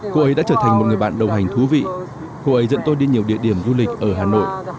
cô ấy đã trở thành một người bạn đồng hành thú vị cô ấy dẫn tôi đi nhiều địa điểm du lịch ở hà nội